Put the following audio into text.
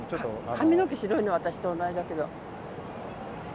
髪の毛白いのは私と同じだけど。